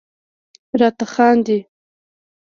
راته خاندي..